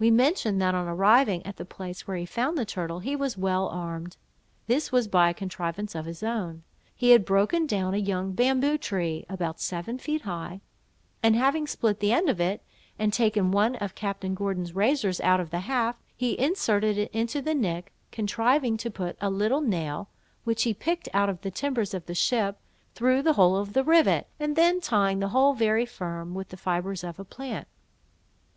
We mentioned, that on arriving at the place where he found the turtle, he was well armed. This was by a contrivance of his own. He had broken down a young bamboo tree, about seven feet high, and having split the end of it, and taken one of Captain Gordon's razors out of the haft, he inserted it into the nick, contriving to put a little nail, which he picked out of the timbers of the ship, through the hole of the rivet, and then tying the whole very firm, with the fibres of a plant.